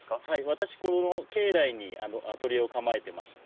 私この境内にアトリエを構えてまして。